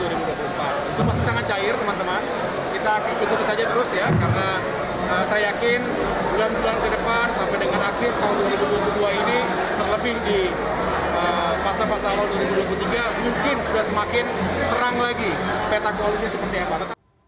itu masih sangat cair teman teman kita ikuti saja terus ya karena saya yakin bulan bulan ke depan sampai dengan akhir tahun dua ribu dua puluh dua ini terlebih di pasal pasal awal dua ribu dua puluh tiga mungkin sudah semakin terang lagi peta koalisnya seperti apa